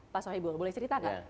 pak sohibul boleh cerita kan